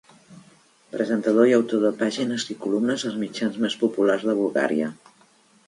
Presentador i autor de pàgines i columnes als mitjans més populars de Bulgària.